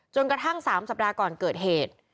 กระทั่ง๓สัปดาห์ก่อนเกิดเหตุ